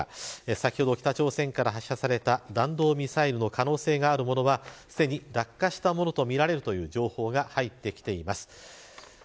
先ほど、北朝鮮から発射された弾道ミサイルの可能性があるものはすでに落下したものとみられるという情報が入ってきています。